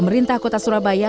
pemerintah kota surabaya